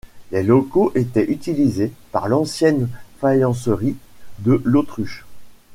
Les locaux étaient utilisés par l'ancienne faïencerie de l'Autruche.